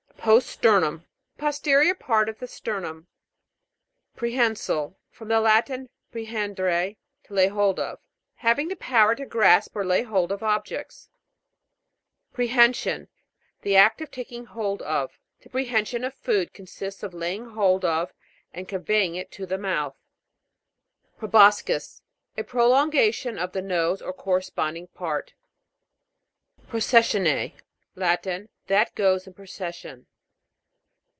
POST STER'NUM. The posterior part of the sternum. PREHEN'SILE. From the Latin, pre hendere, to lay hold of. Having the power to grasp or lay hold of objects. PREHEN'SION. The act of taking hold of. The prehension of food, consists of laying hold of and con veying it to the mouth. PROBOS'CIS. A prolongation of the nose or corresponding part. PROCESSIONNE'A. Latin. That goes in procession.